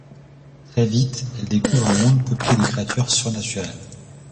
Très vite, elle découvre un monde peuplé de créatures surnaturelles.